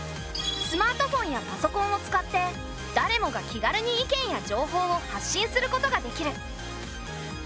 スマートフォンやパソコンを使ってだれもが気軽に意見や情報を発信することができる。